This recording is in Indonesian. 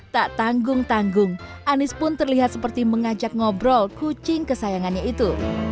tak tanggung tanggung anis pun terlihat seperti mengajak ngobrol kucing kesayangannya itu